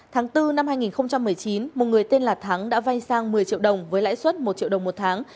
tháng bốn năm hai nghìn một mươi chín một người tên là thắng đã vay sang một mươi triệu đồng với lãi suất một triệu đồng một tháng